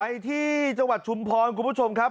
ไปที่จังหวัดชุมพรคุณผู้ชมครับ